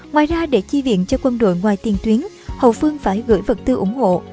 ngoài ra để chi viện cho quân đội ngoài tiền tuyến hậu phương phải gửi vật tư ủng hộ